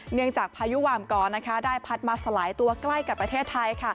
จากพายุหวามกอได้พัดมาสลายตัวใกล้กับประเทศไทย